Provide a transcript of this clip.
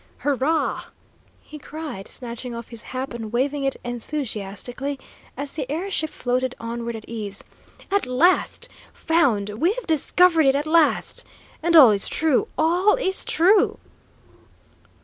"Hurrah!" he cried, snatching off his cap and waving it enthusiastically, as the air ship floated onward at ease. "At last! Found we've discovered it at last! And all is true, all is true!"